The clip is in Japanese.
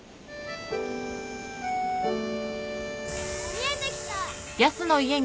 見えてきた！